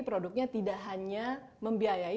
produknya tidak hanya membiayai